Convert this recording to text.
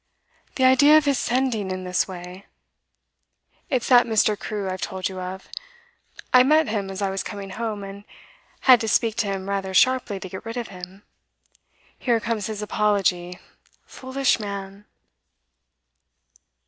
'The idea of his sending in this way! It's that Mr. Crewe I've told you of. I met him as I was coming home, and had to speak to him rather sharply to get rid of him. Here comes his apology, foolish man!